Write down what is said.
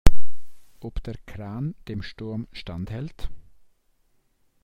Ob der Kran dem Sturm standhält?